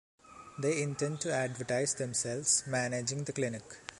They intend to advertise themselves managing the clinic.